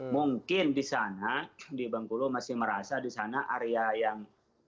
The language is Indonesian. mungkin di sana di bengkulu masih merasa di sana area yang